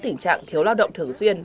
tình trạng thiếu lao động thường xuyên